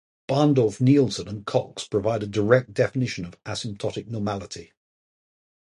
Barndorff-Nielson and Cox provide a direct definition of asymptotic normality.